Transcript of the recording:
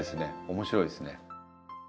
面白いですね。